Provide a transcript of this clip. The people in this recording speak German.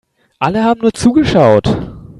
Alle haben nur zugeschaut.